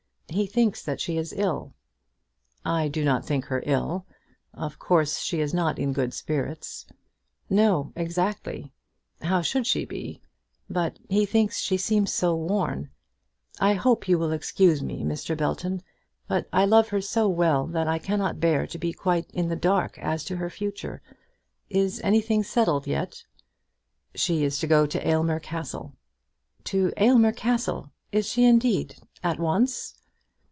He thinks that she is ill." "I do not think her ill. Of course she is not in good spirits." "No; exactly. How should she be? But he thinks she seems so worn. I hope you will excuse me, Mr. Belton, but I love her so well that I cannot bear to be quite in the dark as to her future. Is anything settled yet?" "She is going to Aylmer Castle." "To Aylmer Castle! Is she indeed? At once?"